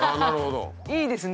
いいですね。